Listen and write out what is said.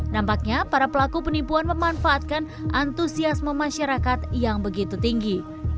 nampaknya para pelaku penipuan memanfaatkan antusiasme masyarakat yang begitu tinggi